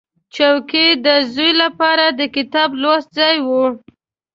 چوکۍ د زوی لپاره د کتاب لوست ځای وي.